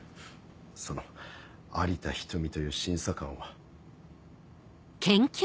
その有田仁美という審査官は。